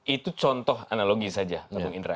itu contoh analogi saja tepung indra